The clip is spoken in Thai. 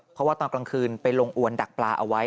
เพราะว่าตอนกลางคืนไปลงอวนดักปลาเอาไว้